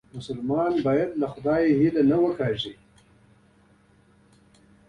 مسلمان باید امید له خدای نه لنډ نه کړي.